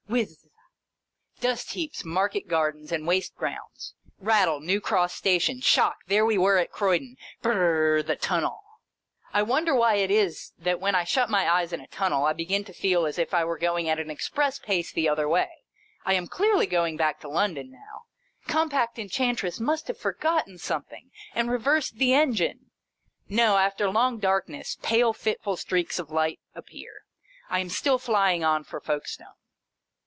Whizz ! Dustheaps, market gardens, and waste grounds. Rattle ! New Cross Station. Shock ! There we were at Croydon. Bur r r r ! The tunnel. I wonder why it is that when I shut my eyes in a tunnel I begin to feel as if I were going at an Express pace the other way. I am clearly going back to London, now. Com pact Enchantress must have forgotten some thing, and reversed the engine. No ! After long darkness, pale fitful streaks of light appear. I am still flying on for Folkestone.